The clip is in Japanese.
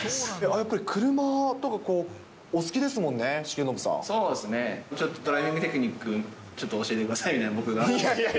やっぱり車とかお好きですもそうっすね、ちょっとドライビングテクニック、ちょっと教えてくださいみたいな、僕が。